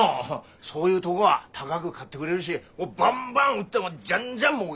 そういうとごは高く買ってくれるしバンバン売ってジャンジャンもうけよう！